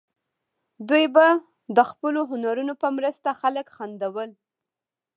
دوی به د خپلو هنرونو په مرسته خلک خندول.